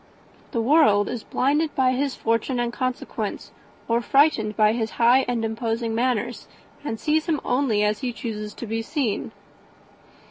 The world is blinded by his fortune and consequence, or frightened by his high and imposing manners, and sees him only as he chooses to be seen."